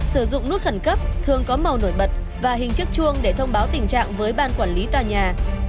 sử dụng nút khẩn cấp thường có màu nổi bật và hình chiếc chuông để thông báo tình trạng với ban quản lý tòa nhà